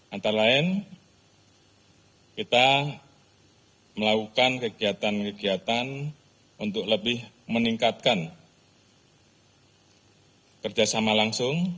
antara lain kita melakukan kegiatan kegiatan untuk lebih meningkatkan kerjasama langsung